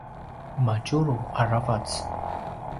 madjulu aravac